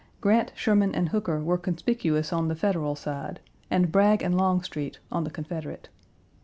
Grant, Sherman, and Hooker were conspicuous on the Federal side and Bragg and Longstreet on the Confederate.